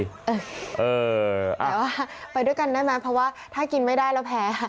แต่ว่าไปด้วยกันได้ไหมเพราะว่าถ้ากินไม่ได้แล้วแพ้